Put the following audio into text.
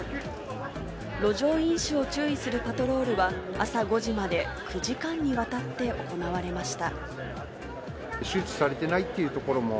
路上飲酒を注意するパトロールは朝５時まで、９時間にわたって行われました。